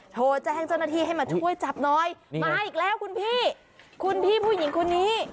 โทรแจ้งเจ้าหน้าที่ให้มาช่วยจับหน่อยมาอีกแล้วคุณพี่คุณพี่ผู้หญิงคนนี้